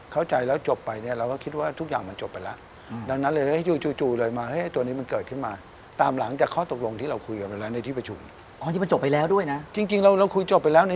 เข้าใจแล้วจบไปเราก็คิดว่าทุกอย่างมันจบไปแล้ว